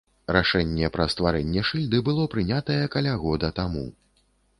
Рашэнне пра стварэнне шыльды было прынятае каля года таму.